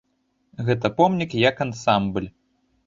Гэта помнік як ансамбль.